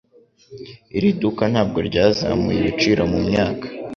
Iri duka ntabwo ryazamuye ibiciro mumyaka.